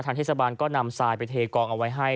เทศบาลก็นำทรายไปเทกองเอาไว้ให้